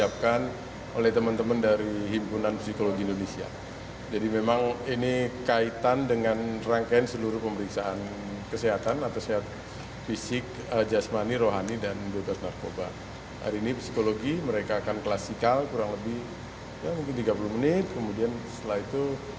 pemeriksaan kejiwaan terakhir sekitar pukul tujuh lebih tiga puluh menit